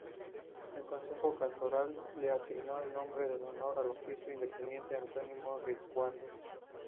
El Concejo Cantonal le asignó el nombre en honor al oficial independentista Antonio Ricaurte.